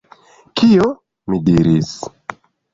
Kio? mi diris.